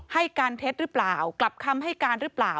ให้การเท็จหรือเปล่ากลับคำให้การหรือเปล่า